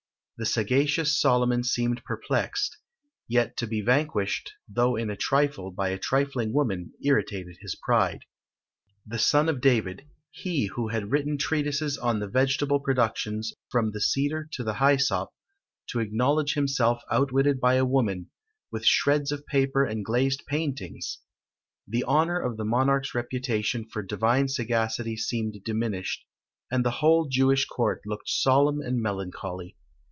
The sagacious Solomon seemed perplexed; yet to be vanquished, though in a trifle, by a trifling woman, irritated his pride. The son of David, he who had written treatises on the vegetable productions "from the cedar to the hyssop," to acknowledge himself outwitted by a woman, with shreds of paper and glazed paintings! The honour of the monarch's reputation for divine sagacity seemed diminished, and the whole Jewish court looked solemn and melancholy.